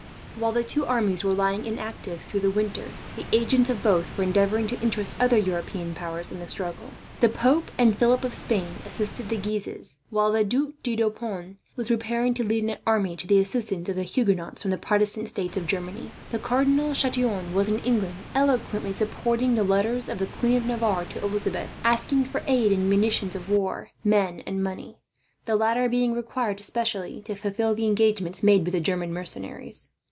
While the two armies were lying inactive through the winter, the agents of both were endeavouring to interest other European powers in the struggle. The pope and Philip of Spain assisted the Guises; while the Duc de Deux Ponts was preparing to lead an army to the assistance of the Huguenots, from the Protestant states of Germany. The Cardinal Chatillon was in England, eloquently supporting the letters of the Queen of Navarre to Elizabeth, asking for aid and munitions of war, men, and money the latter being required, especially, to fulfil the engagements made with the German mercenaries.